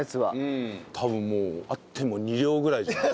多分もうあっても２両ぐらいじゃない？